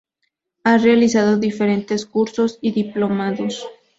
Ha realizado diferentes cursos y diplomados.